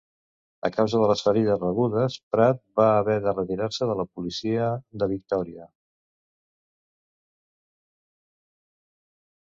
A causa de les ferides rebudes, Pratt va haver de retirar-se de la policia de Victòria.